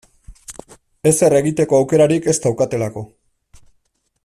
Ezer egiteko aukerarik ez daukatelako.